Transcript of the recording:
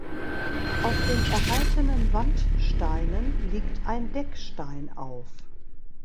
Auf den erhaltenen Wandsteinen liegt ein Deckstein auf.